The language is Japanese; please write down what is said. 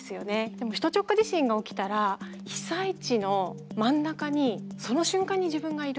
でも首都直下地震が起きたら被災地の真ん中にその瞬間に自分がいるっていうことになります。